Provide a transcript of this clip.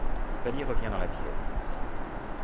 Sally revient dans la pièce.